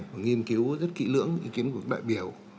và nghiên cứu rất kỹ lưỡng những ý kiến của đại biểu